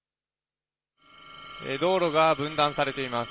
道路が分断されています。